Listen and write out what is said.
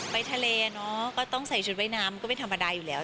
ไปทะเลเนอะก็ต้องใส่ชุดว่ายน้ำก็ไม่ธรรมดาอยู่แล้ว